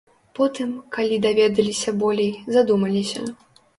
Потым, калі даведаліся болей, задумаліся.